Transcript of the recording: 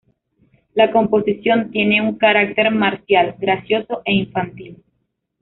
La composición tiene un carácter marcial, gracioso e infantil.